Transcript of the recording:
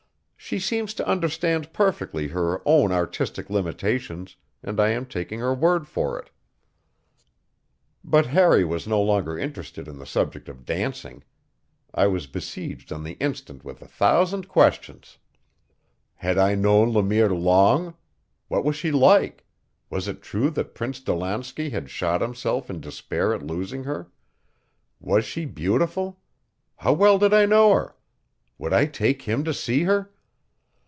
She seems to understand perfectly her own artistic limitations, and I am taking her word for it." But Harry was no longer interested in the subject of dancing. I was besieged on the instant with a thousand questions. Had I known Le Mire long? What was she like? Was it true that Prince Dolansky had shot himself in despair at losing her? Was she beautiful? How well did I know her? Would I take him to see her?